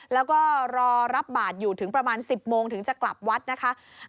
แล้วก็รอรับบาทอยู่ถึงประมาณ๑๐โมงถึงจะกลับวัดนะคะ